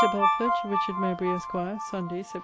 BELFORD, TO RICHARD MOWBRAY, ESQ. SUNDAY, SEPT.